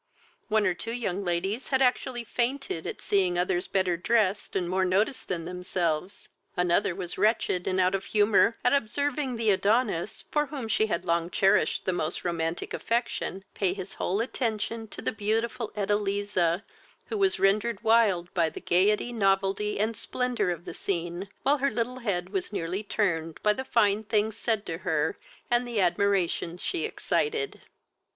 One or two young ladies had actually fainted at seeing others better dressed and more noticed than themselves. Another was wretched, and out of humour at observing the Adonis, for whom she had long cherished the most romantic affection, pay his whole attention to the beautiful Edeliza, who was rendered wild by the gaiety, novelty, and splendour of the scene, while her little head was nearly turned by the fine things said to her, and the admiration she excited.